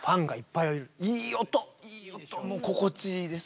いい音もう心地いいです。